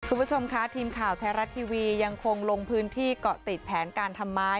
คุณผู้ชมค่ะทีมข่าวไทยรัฐทีวียังคงลงพื้นที่เกาะติดแผนการทำไม้